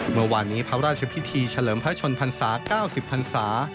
เมื่อวานนี้พระราชพิธีเฉลิมพระชนพรรษา๙๐พันศา